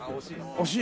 惜しい？